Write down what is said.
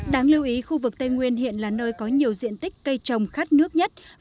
đáng lưu ý khu vực tây nguyên hiện là nơi có nhiều diện tích cây trồng khát nước nhất